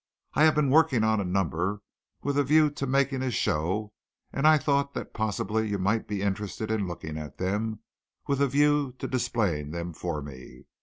"I have been working on a number with a view to making a show and I thought that possibly you might be interested in looking at them with a view to displaying them for me.